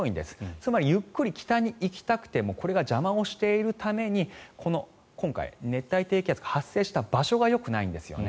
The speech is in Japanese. つまりゆっくり北に行きたくてもこれが邪魔をしているために今回熱帯低気圧が発生した場所がよくないんです。